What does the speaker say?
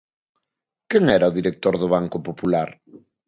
¿Quen era o director do Banco Popular?